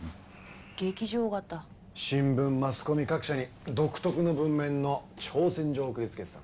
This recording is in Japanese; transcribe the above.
新聞マスコミ各社に独特の文面の挑戦状を送りつけてたんだよ。